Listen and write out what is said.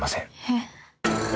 「えっ？」